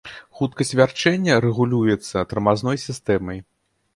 Хуткасць вярчэння рэгулюецца тармазной сістэмай.